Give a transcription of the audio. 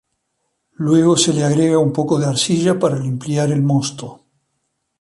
Luego se le agrega un poco de arcilla para limpiar el mosto.